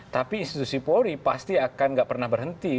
tapi institusi polri pasti akan nggak pernah berhenti